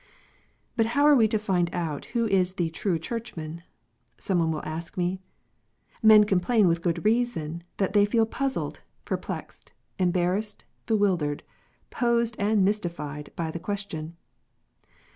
But how are we to find out who is the " true Churchman "? some one will ask me. Men complain with good reason that they feel puzzled, perplexed, embarrassed, bewildered, posed, and mystified by the question.